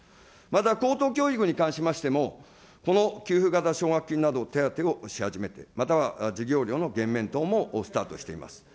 また高等教育に関しましてもこの給付型奨学金など、手当てをし始めて、または授業料の減免等もスタートしています。